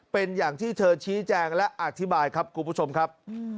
เป็นอย่างที่เธอชี้แจงและอธิบายครับคุณผู้ชมครับ